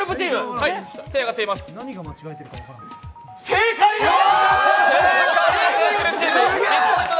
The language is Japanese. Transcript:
正解です！